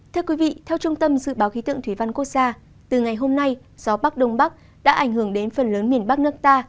thưa quý vị theo trung tâm dự báo khí tượng thủy văn quốc gia từ ngày hôm nay gió bắc đông bắc đã ảnh hưởng đến phần lớn miền bắc nước ta